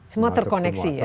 semua terkoneksi ya